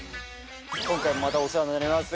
今回もまたお世話になります